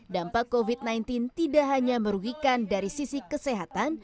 dampak covid sembilan belas tidak hanya merugikan dari sisi kesehatan